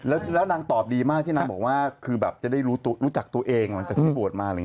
แล้วนางตอบดีมากที่นางบอกว่าคือแบบจะได้รู้จักตัวเองหลังจากที่บวชมา